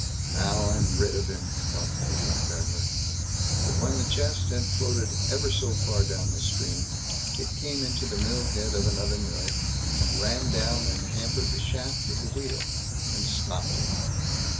"Now, I'm rid of him", thought Peter the Pedlar. But when the chest had floated ever so far down the stream, it came into the mill head of another mill, and ran down and hampered the shaft of the wheel, and stopped it.